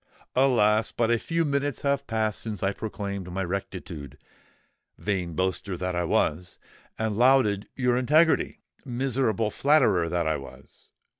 "Alas! but a few minutes have passed since I proclaimed my rectitude, vain boaster that I was—and lauded your integrity, miserable flatterer that I was!